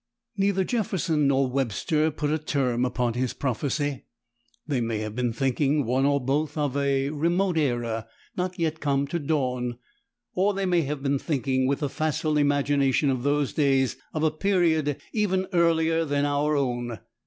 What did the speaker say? " Neither Jefferson nor Webster put a term upon his prophecy. They may have been thinking, one or both, of a remote era, not yet come to dawn, or they may have been thinking, with the facile imagination of those days, of a period even earlier than our own.